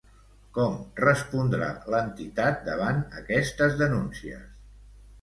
Com respondrà l'entitat davant aquestes denúncies?